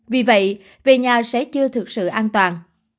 vì vậy về nhà sẽ chưa thực sự an toàn